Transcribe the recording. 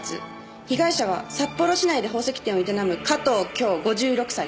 被害者は札幌市内で宝石店を営む加藤恭５６歳。